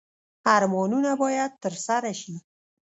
ارمانونه باید ترسره شي